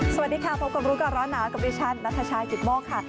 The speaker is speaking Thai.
สวัสดีค่ะพบกับรู้ก่อนร้อนหนาวกับดิฉันนัทชายกิตโมกค่ะ